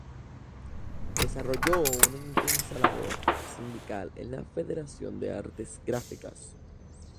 Desarrolló una intensa labor sindical en la Federación de Artes Gráficas.